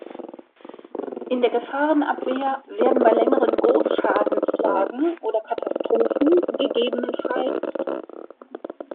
In der Gefahrenabwehr werden bei längeren Großschadenslagen oder Katastrophen ggf.